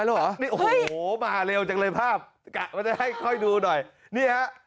แล้วเหรอนี่โอ้โหมาเร็วจังเลยภาพกะว่าจะให้ค่อยดูหน่อยนี่ฮะ